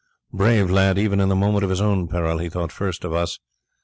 Brave lad, even in the moment of his own peril he thought first of us.